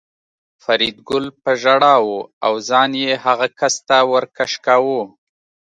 فریدګل په ژړا و او ځان یې هغه کس ته ور کش کاوه